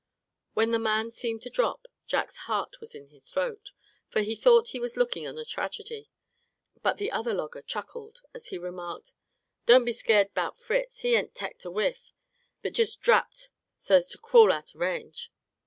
When the man seemed to drop, Jack's heart was in his throat, for he thought he was looking on a tragedy; but the other logger chuckled, as he remarked: "Don't be skeered 'bout Fritz; he ain't teched a whiff; but jest drapped so's to crawl out'n range.